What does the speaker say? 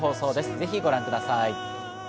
ぜひご覧ください。